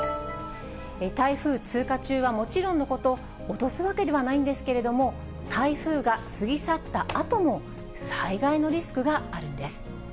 台風通過中はもちろんのこと、脅すわけではないんですけれども、台風が過ぎ去ったあとも災害のリスクがあるんです。